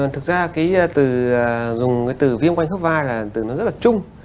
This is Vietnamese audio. thực ra dùng từ viêm quanh khớp vai là từ rất là chung